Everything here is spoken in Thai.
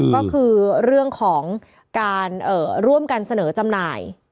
ก็คือเรื่องของการร่วมกันเสนอจำหน่าย